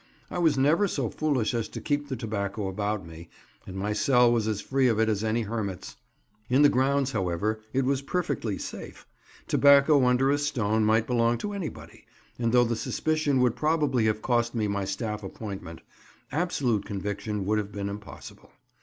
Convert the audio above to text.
I was never so foolish as to keep the tobacco about me, and my cell was as free of it as any hermit's. In the grounds, however, it was perfectly safe; tobacco under a stone might belong to anybody, and though the suspicion would probably have cost me my staff appointment, absolute conviction would have been impossible.